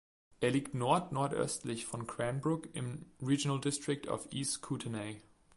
Er liegt nordnordöstlich von Cranbrook im Regional District of East Kootenay.